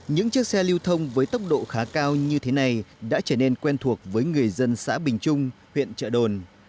những chiếc xe lưu thông với tốc độ khá cao như thế này đã trở nên quen thuộc với người dân xã bình trung huyện trợ đồn